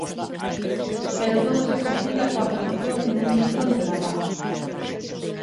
Pero todo se complica coa aparición dun libro de gravados.